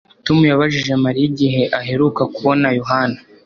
Tom yabajije Mariya igihe aheruka kubona Yohana